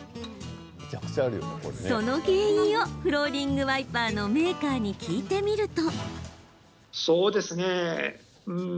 その原因をフローリングワイパーのメーカーに聞いてみると。